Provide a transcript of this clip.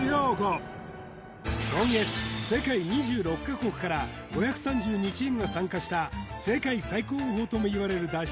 今月世界２６か国から５３２チームが参加した世界最高峰ともいわれる脱出